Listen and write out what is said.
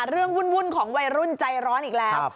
วุ่นของวัยรุ่นใจร้อนอีกแล้ว